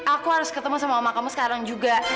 aku harus ketemu sama kamu sekarang juga